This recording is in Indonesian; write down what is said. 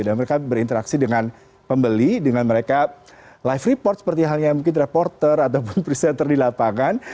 dan mereka berinteraksi dengan pembeli dengan mereka live report seperti halnya mungkin reporter ataupun presenter di lapangan